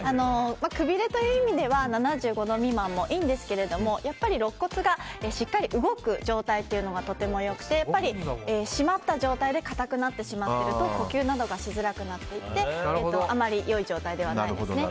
くびれという意味では７５度未満もいいんですけれどもやっぱりろっ骨がしっかり動く状態というのがとても良くてやっぱり閉まった状態で硬くなってしまっていると呼吸がしづらくなってあまり良い状態ではないですね。